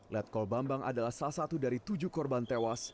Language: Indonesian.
letkol bambang adalah salah satu dari tujuh korban tewas